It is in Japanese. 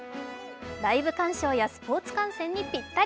ライブ鑑賞やスポーツ観戦にピッタリ。